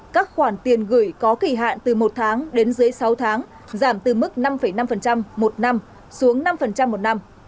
các khoản tiền gửi có kỳ hạn từ một tháng đến dưới sáu tháng giảm từ mức năm năm một năm xuống năm một năm